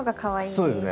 そうですね。